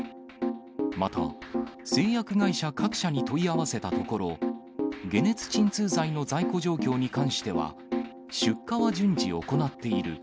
また、製薬会社各社に問い合わせたところ、解熱鎮痛剤の在庫状況に関しては、出荷は順次、行っている。